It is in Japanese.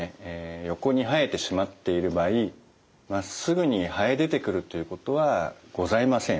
横に生えてしまっている場合まっすぐに生え出てくるということはございません。